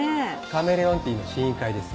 カメレオンティーの試飲会です。